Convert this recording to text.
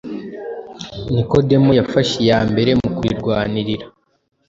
Nikodemu yafashe iya mbere mu kurirwanirira.